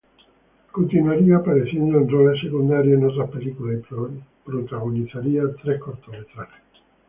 Continuaría apareciendo en roles secundarios en otras películas, y protagonizaría tres cortometrajes.